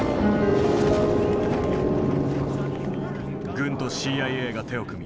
軍とＣＩＡが手を組み